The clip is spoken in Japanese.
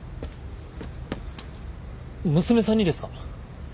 娘さんにですか？